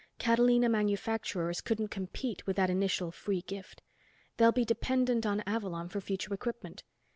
Catalina manufacturers couldn't compete with that initial free gift. They'll be dependent on Avalon for future equipment.